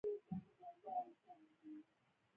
نباتات هغه د محلول په ډول له ځمکې څخه واخلي.